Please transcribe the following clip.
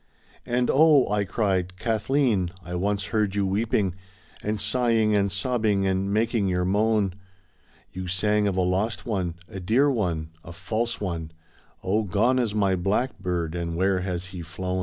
"And oh," I cried, Kathleen, I once heard you weeping And sighing and sobbing and making your moan. You sang of a lost one, a dear one, a false one — ^Oh, gone is my blackbird, and where has he flown?'